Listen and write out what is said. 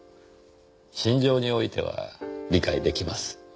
心情においては理解出来ます。